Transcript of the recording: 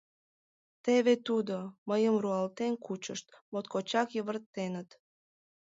«Теве тудо! — мыйым руалтен кучышт, моткочак йывыртеныт.